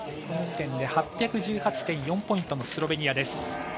この時点で８１８．４ポイントのスロベニアです。